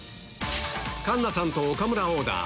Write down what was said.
環奈さんと岡村オーダー